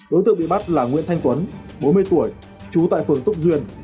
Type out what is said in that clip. đối tượng bị bắt là nguyễn thanh tuấn bốn mươi tuổi trú tại phường túc duyên